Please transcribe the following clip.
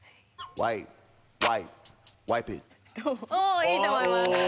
おいいと思います。